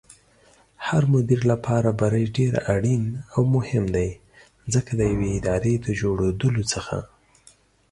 هرمدير لپاره بری ډېر اړين او مهم دی ځکه ديوې ادارې دجوړېدلو څخه